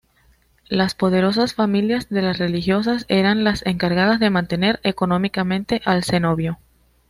Las poderosas familias de las religiosas eran las encargadas de mantener económicamente al cenobio.